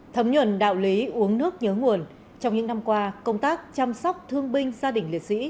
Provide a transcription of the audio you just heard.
thấm nhuận đạo lý uống nước nhớ nguồn trong những năm qua công tác chăm sóc thương binh gia đình liệt sĩ